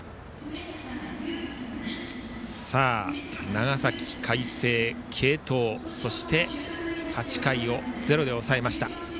長崎・海星、継投そして８回をゼロで抑えました。